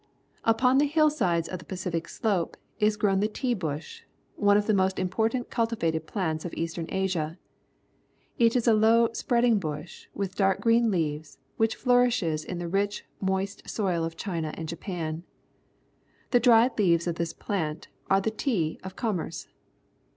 L^pon the hillsides of the Pacific slope is grown the tea bush, one of the most important cultivated plants of Eastern Asia. It is a low, spreading bush with dark green lea^■es, which flourishes in the rich, moist soil of China and Japan. The dried leaves of this plant are the tea of commerce.